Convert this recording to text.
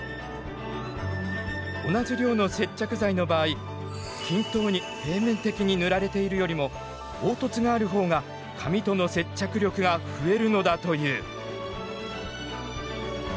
同じ量の接着剤の場合均等に平面的に塗られているよりも凹凸がある方が紙との接着力が増えるのだという。